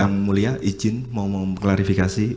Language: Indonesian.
yang mulia izin mengumumkan klarifikasi